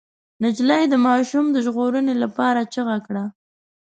نجلۍ د ماشوم د ژغورنې لپاره چيغه کړه.